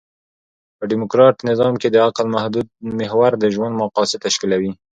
په ډيموکراټ نظام کښي د عقل محور د ژوند مقاصد تشکیلوي.